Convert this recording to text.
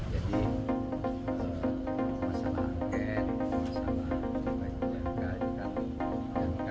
jadi masalah agen masalah jangka jangka jangka jangka